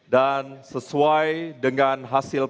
dan sesuai dengan hasil pengundian yang telah diberikan